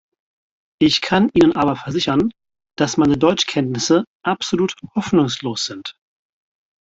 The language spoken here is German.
Ich kann Ihnen aber versichern, dass meine Deutschkenntnisse absolut hoffnungslos sind.